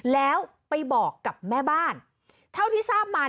แล้วไปบอกกับแม่บ้านเท่าที่ทราบมา